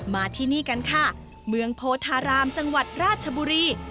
มาที่นี่กันค่ะเมืองโพธารามจังหวัดราชบุรี